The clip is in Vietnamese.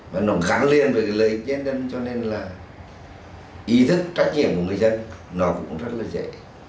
và nó khẳng liên với lợi ích nhân dân cho nên là ý thức trách nhiệm của người dân nó cũng rất là dễ